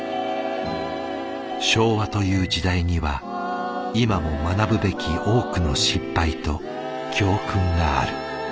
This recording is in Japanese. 昭和という時代には今も学ぶべき多くの失敗と教訓がある。